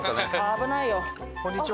危ないよ。